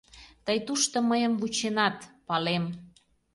Тый тушто мыйым вученат, палем.